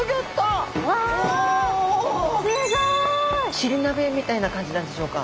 チリ鍋みたいな感じなんでしょうか。